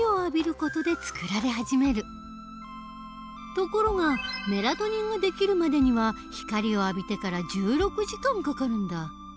ところがメラトニンができるまでには光を浴びてから１６時間かかるんだ。